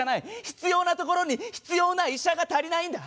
必要な所に必要な医者が足りないんだ！